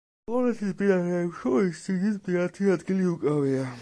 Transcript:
პოლონეთის მდინარეებს შორის სიგრძით მეათე ადგილი უკავია.